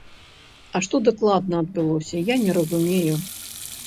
А што дакладна адбылося, я не разумею.